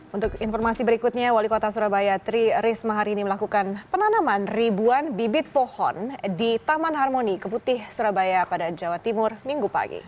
untuk informasi berikutnya wali kota surabaya tri risma hari ini melakukan penanaman ribuan bibit pohon di taman harmoni keputih surabaya pada jawa timur minggu pagi